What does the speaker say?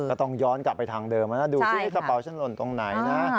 ก็ต้องย้อนกลับไปทางเดิมนะดูซินี่กระเป๋าฉันหล่นตรงไหนนะ